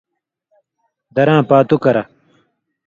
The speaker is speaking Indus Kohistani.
دراں پاتُو کرہ